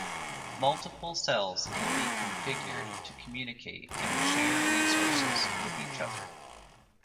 Multiple cells can be configured to communicate and share resources with each other.